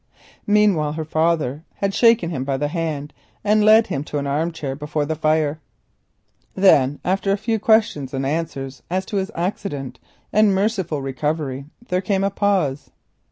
Meanwhile her father had shaken him by the hand, and led him to an armchair before the fire. Then after a few questions and answers as to his accident and merciful recovery there came a pause.